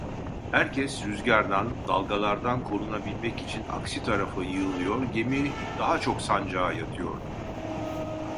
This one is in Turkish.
Herkes, rüzgardan, dalgalardan korunabilmek için aksi tarafa yığılıyor, gemi daha çok sancağa yatıyordu.